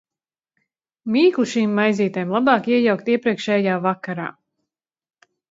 Mīklu šīm maizītēm labāk iejaukt iepriekšējā vakarā.